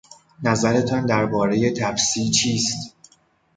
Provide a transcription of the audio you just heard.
نظرتان دربارهی تپسی چیست؟